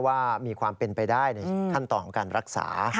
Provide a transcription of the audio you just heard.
ว่ามีความเป็นไปได้ในขั้นตอนของการรักษา